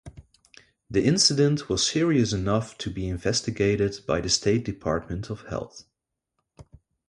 The incident was serious enough to be investigated by the state Department of Health.